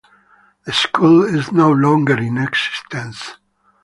The school is no longer in existence.